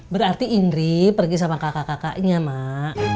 berarti indri pergi sama kakak kakaknya mak